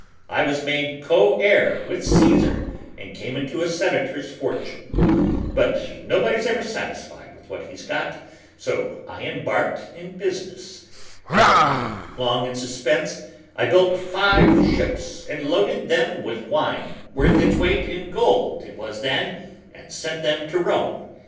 I was made co heir with Caesar and came into a Senator's fortune. But nobody's ever satisfied with what he's got, so I embarked in business. I won't keep you long in suspense; I built five ships and loaded them with wine worth its weight in gold, it was then and sent them to Rome.